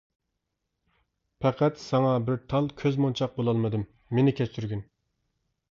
پەقەت ساڭا بىر تال كۆز مونچاق، بولالمىدىم، مېنى كەچۈرگىن.